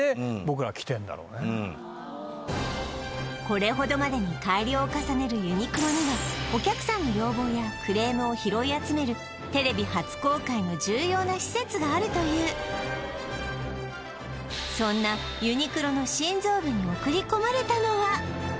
これほどまでに改良を重ねるユニクロにはお客さんの要望やクレームを拾い集めるテレビ初公開の重要な施設があるというそんな大丈夫？